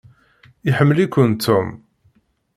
Iḥemmel-iken Tom.